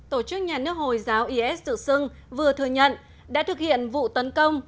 tổ chức nhà nước hồi giáo is tự xưng vừa thừa nhận đã thực hiện vụ tấn công